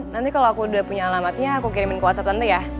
nanti kalau aku udah punya alamatnya aku kirimin ke whatsapp tante ya